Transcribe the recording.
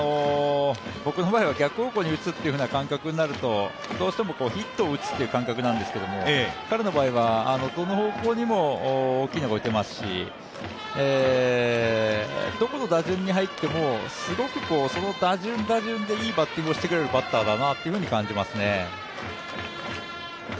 逆方向に打つというような感覚になるとヒットを打つという感覚なんですけど彼の場合はどの方向にも大きいのが打てますし、どこの打順に入ってもすごく、その打順打順でいいバッティングをしてくれるバッターだなと感じます。